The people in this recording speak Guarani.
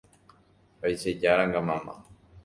Aichejáranga mama